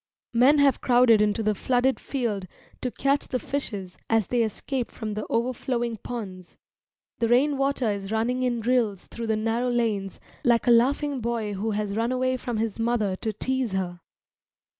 Men have crowded into the flooded field to catch the fishes as they escape from the overflowing ponds; the rain water is running in rills through the narrow lanes like a laughing boy who has run away from his mother to tease her.